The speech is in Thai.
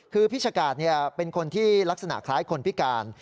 คือพี่ชะกาดเป็นคนที่ลักษณะคล้ายคนพิการ